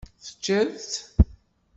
Teččiḍ-t?